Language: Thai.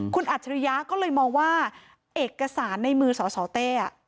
คุณอัจฉริยะก็เลยมองว่าเอกสารในมือสสเต้